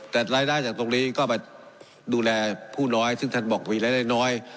แต่รายได้จากตรงนี้ก็ไปดูแลผู้น้อยซึ่งท่านบอกมีรายได้น้อย